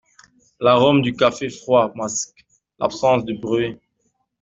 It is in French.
L’arôme du café froid masque l’absence de bruit.